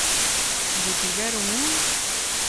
Detiveron un.